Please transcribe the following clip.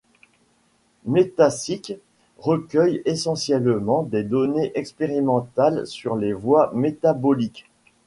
MetaCyc recueille essentiellement des données expérimentales sur les voies métaboliques.